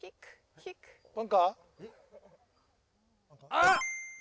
あっ！